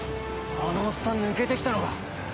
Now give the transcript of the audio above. あのおっさん抜けてきたのか？